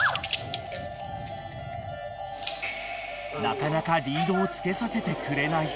［なかなかリードをつけさせてくれない］